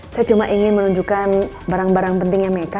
saya cuma ingin menunjukkan barang barang pentingnya mereka